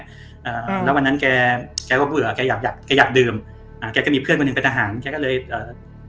อ่าแล้ววันนั้นแกแกก็เบื่อแกอยากอยากแกอยากดื่มอ่าแกก็มีเพื่อนคนหนึ่งเป็นทหารแกก็เลยเอ่อ